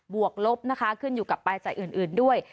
วกลบนะคะขึ้นอยู่กับปลายจ่ายอื่นด้วย